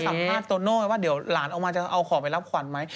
ถ้าพูดไปสัมภาษณ์โตโน่ว่าเดี๋ยวหลานเอามาจะเอาของไปรับขวัญไหม